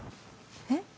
えっ？